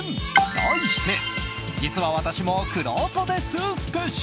題して実は私もくろうとです！